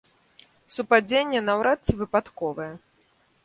Супадзенне наўрад ці выпадковае.